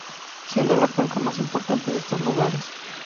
Siendo la cuenca más importante de estos lugares.